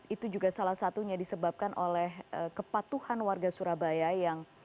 itu juga salah satunya disebabkan oleh kepatuhan warga surabaya yang